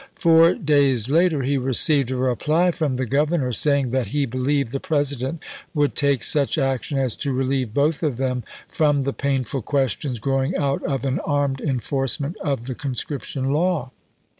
Four days later he received a reply from the Governor saying that he believed the President would take such action as to relieve both of them "from the painful questions growing out of an armed enforcement of the conscription law."